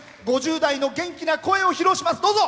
５０代の元気な声を披露します。